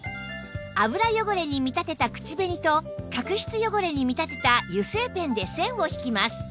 油汚れに見立てた口紅と角質汚れに見立てた油性ペンで線を引きます